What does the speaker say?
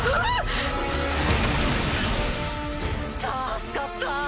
助かった！